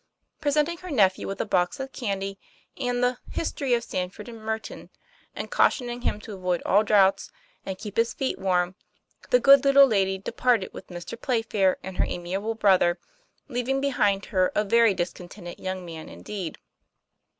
Presenting her nephew with a box of candy and the " History of Sandford and Merton,"and caution ing him to avoid all draughts and keep his feet warm, the good little lady departed with Mr. Play fair and her amiable brother, leaving behind her a very discontented young man indeed.